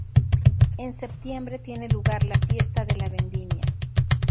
En septiembre tiene lugar la fiesta de la vendimia.